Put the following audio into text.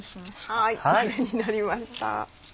はい丸になりました。